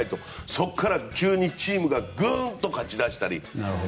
そこからチームがぐーんと勝ち出したり。